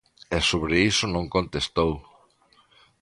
E sobre iso non contestou.